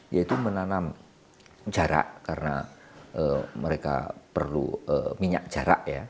yaitu menanam jarak karena mereka perlu minyak jarak ya